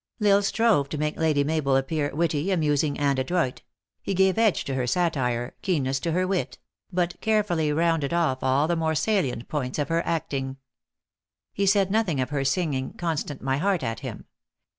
L Isle strove to make Lady Mabel appear witty, amusing, and adroit; he gave edge to her satire keenness to her wit; but carefully rounded off all the more salient points of her acting. lie said nothing of her singing " Constant my heart," at him.